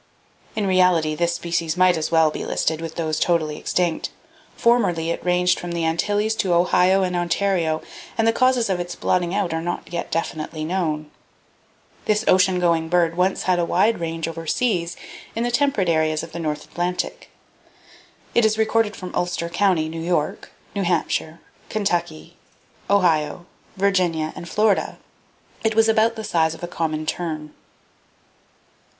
In reality, this species might as well be listed with those totally extinct. Formerly it ranged from the Antilles to Ohio and Ontario, and the causes of its blotting out are not yet definitely known. This ocean going bird once had a wide range overseas in the temperate areas of the North Atlantic. It is recorded from Ulster County, New York, New Hampshire, Kentucky, Ohio, Virginia and Florida. It was about of the size of the common tern.